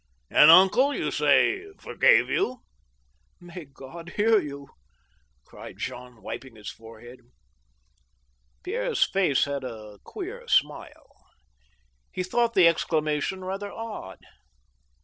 And uncle, you say, forgave you ?"" May God hear you !" cried Jean, wiping his forehead. Pierre's face had a queer smile. He thought the exclamation rather odd.